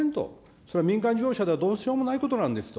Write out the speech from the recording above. それは民間業者ではどうしようもないことなんですと。